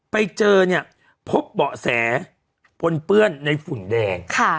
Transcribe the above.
ไปเจอเนี่ยพบเบาะแสปนเปื้อนในฝุ่นแดง